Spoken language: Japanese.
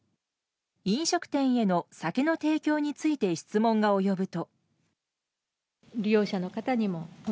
飲食店への酒の提供について質問が及ぶと。